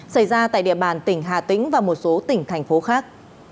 xảy ra tại địa bàn tỉnh hà tĩnh và một số tỉnh thành phố khác